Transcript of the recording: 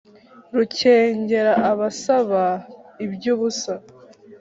Rukengera abasaba iby'ubusa